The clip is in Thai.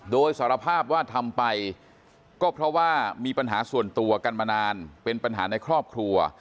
โดยสารภาพว่าทำไปก็เพราะว่ามีปัญหาส่วนตัวกันมานานเป็นปัญหาในครอบครัว